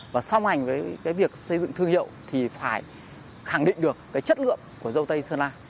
và song hành với cái việc xây dựng thương hiệu thì phải khẳng định được cái chất lượng của dâu tây sơn la